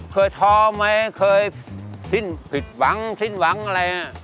เคยท้อไหมเคยพิษหวังซิ้นหวังอะไร